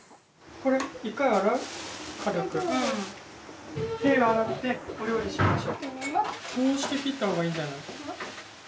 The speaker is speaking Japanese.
こうして切ったほうがいいんじゃない？